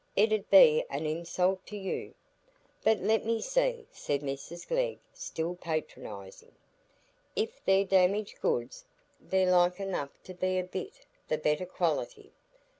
It 'ud be an insult to you." "But let me see," said Mrs Glegg, still patronizing. "If they're damaged goods, they're like enough to be a bit the better quality."